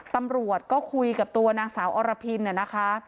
ตำรวจก็คุยกับตัวนางสาวอรพินนะคะ